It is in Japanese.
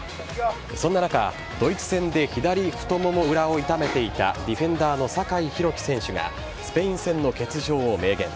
そんな中、ドイツ戦で左太もも裏を痛めていたディフェンダーの酒井宏樹選手がスペイン戦の欠場を明言。